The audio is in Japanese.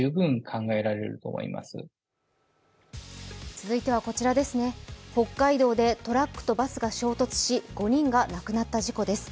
続いては、北海道でトラックとバスが衝突し、５人が亡くなった事故です。